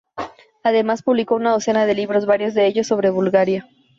Además, publicó una docena de libros, varios de ellos sobre Bulgaria.